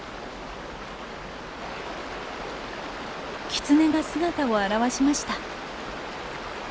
キツネが姿を現しました。